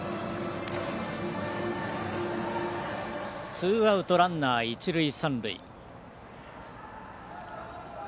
ツーアウトランナー、一塁三塁。